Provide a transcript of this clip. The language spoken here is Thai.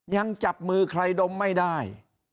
ยังจับมือใครดมไม่ได้